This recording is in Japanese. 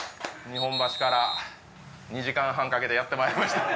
日本橋から２時間半かけてやってまいりました